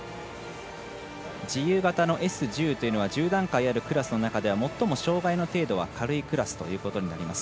自由形のＳ１０というのは１０段階あるクラスの中では最も障がいの程度は軽いクラスとなります。